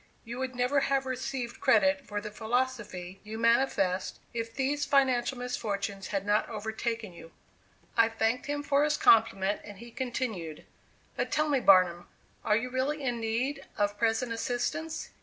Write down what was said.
You would never have received credit for the philosophy you manifest, if these financial misfortunes had not overtaken you." I thanked him for his compliment, and he continued: "But tell me, Barnum, are you really in need of present assistance?